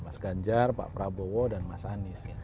mas ganjar pak prabowo dan mas anies